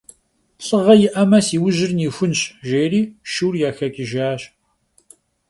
Lh'ığe yi'eme, si vujır nixunş, – jjêri şşur yaxeç'ıjjaş.